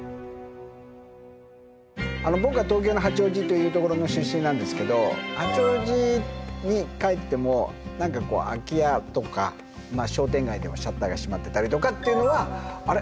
僕は東京の八王子というところの出身なんですけど八王子に帰っても何かこう空き家とか商店街でもシャッターが閉まってたりとかっていうのはあれ？